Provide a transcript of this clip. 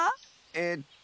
えっと。